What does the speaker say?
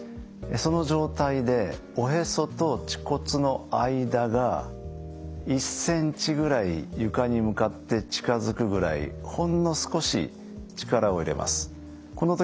その状態でおへそと恥骨の間が１センチぐらい床に向かって近づくぐらいほんの少し力を入れます。